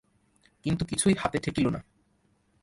কিন্তু কিছুই হাতে ঠেকিল না।